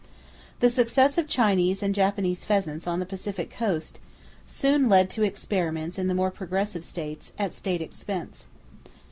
The success of Chinese and Japanese pheasants on the Pacific Coast soon led to experiments in the more progressive states, at state expense.